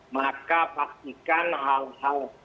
maka pastikan hal hal di bawah ini atau di bawah ini